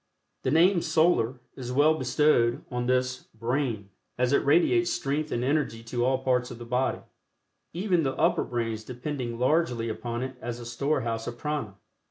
The name "Solar" is well bestowed on this "brain," as it radiates strength and energy to all parts of the body, even the upper brains depending largely upon it as a storehouse of Prana.